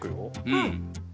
うん。